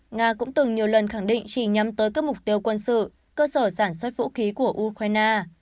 nga cũng từng nhiều lần khẳng định chỉ nhắm tới các mục tiêu quân sự cơ sở sản xuất vũ khí của ukraine